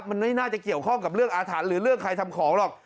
มันไม่น่าจะเกี่ยวข้องกับเรื่องอาถรรพ์หรือเรื่องใครทำของหรอก